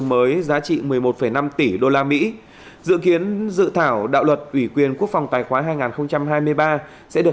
mới giá trị một mươi một năm tỷ usd dự kiến dự thảo đạo luật ủy quyền quốc phòng tài khoá hai nghìn hai mươi ba sẽ được